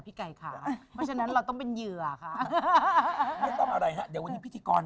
ไก่ค่ะเพราะฉะนั้นเราต้องเป็นเหยื่อค่ะไม่ต้องอะไรฮะเดี๋ยววันนี้พิธีกร